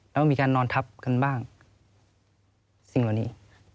แล้วก็มีการนอนทับกันบ้างสิ่งเหล่านี้